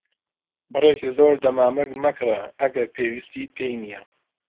بڕێکی زۆر دەمامک مەکڕە ئەگەر پێویستیت پێی نییە.